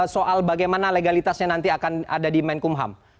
soal bagaimana legalitasnya nanti akan ada di menkumham